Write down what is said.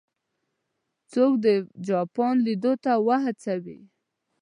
څوک د جاپان لیدلو ته وهڅوي.